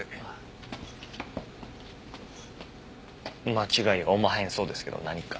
間違いおまへんそうですけど何か？